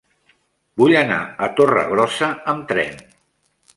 Vull anar a Torregrossa amb tren.